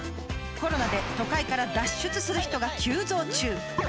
コロナで都会から脱出する人が急増中。